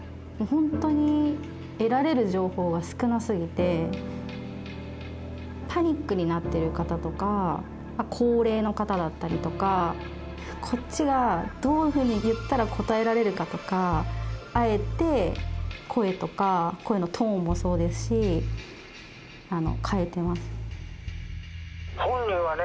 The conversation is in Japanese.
ほんとに得られる情報は少なすぎてパニックになってる方とか高齢の方だったりとかこっちがどういうふうに言ったら答えられるかとかあえて声とか声のトーンもそうですし変えてます。